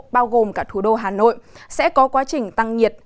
bao gồm cả thủ đô hà nội sẽ có quá trình tăng nhiệt